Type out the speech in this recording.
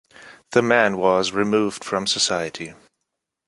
The man was removed from society.